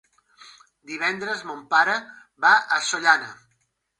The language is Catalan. Divendres mon pare va a Sollana.